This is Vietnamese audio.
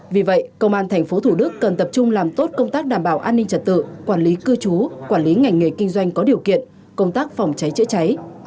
vì vậy công an tp thủ đức cần tập trung làm tốt công tác đảm bảo an ninh trật tự quản lý cư trú quản lý ngành nghề kinh doanh có điều kiện công tác phòng cháy chữa cháy